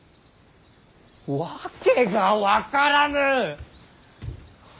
訳が分からぬ！